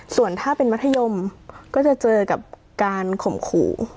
ส่วนถ้าเป็นมัธยมก็จะเจอกับการข่มขู่